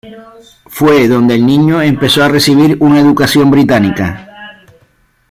Fue donde el niño empezó a recibir una educación británica.